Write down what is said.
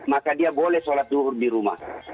maka dia boleh salat zuhur di rumah